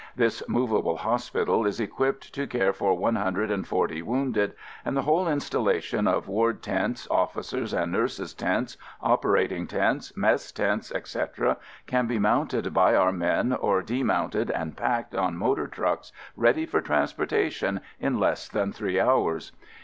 This movable hos pital is equipped to care for one hun dred and forty wounded, and the whole installation of ward tents, officers' and nurses' tents, operating tents, mess tents, etc., can be mounted by our men or de mounted and packed on motor trucks ready for transportation in less than three hours.